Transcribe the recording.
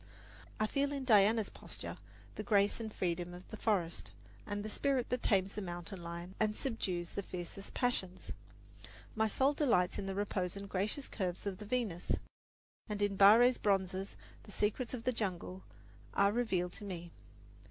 I feel in Diana's posture the grace and freedom of the forest and the spirit that tames the mountain lion and subdues the fiercest passions. My soul delights in the repose and gracious curves of the Venus; and in Barre's bronzes the secrets of the jungle are revealed to me.